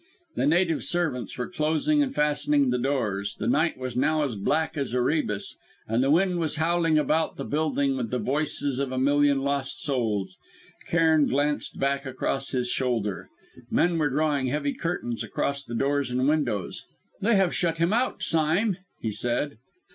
The native servants were closing and fastening the doors. The night was now as black as Erebus, and the wind was howling about the building with the voices of a million lost souls. Cairn glanced back across his shoulder. Men were drawing heavy curtains across the doors and windows. "They have shut him out, Sime!" he said.